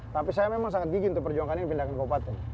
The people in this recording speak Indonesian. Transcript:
tapi saya memang sangat gigi untuk perjuangkan ini pindahkan ke obat obatan